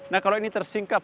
nah kalau ini tersingkap